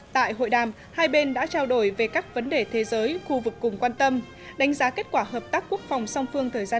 tại hội đàm hai bên đã trao đổi về các vấn đề thế giới khu vực cùng quan tâm đánh giá kết quả hợp tác quốc phòng song phương thời gian qua